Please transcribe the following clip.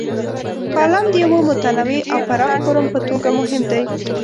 کالم د یوه متنوع او پراخ فورم په توګه مهم دی.